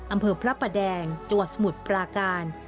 อำเภอพระประแดงจังหวัดสมุทรปราการ